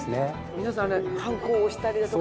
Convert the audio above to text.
皆さんはんこを押したりだとか。